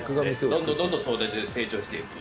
どんどんどんどんそれで成長していく。